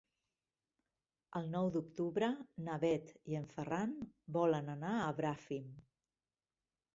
El nou d'octubre na Bet i en Ferran volen anar a Bràfim.